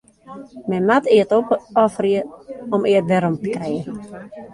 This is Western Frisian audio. Men moat eat opofferje om eat werom te krijen.